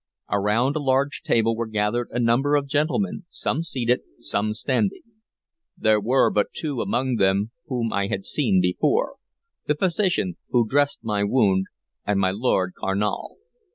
Around a large table were gathered a number of gentlemen, some seated, some standing. There were but two among them whom I had seen before, the physician who had dressed my wound and my Lord Carnal.